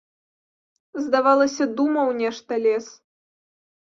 Здавалася, думаў нешта лес.